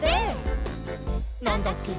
「なんだっけ？！